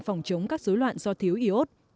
phòng chống các dối loạn do thiếu iot